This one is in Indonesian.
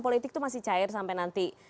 politik itu masih cair sampai nanti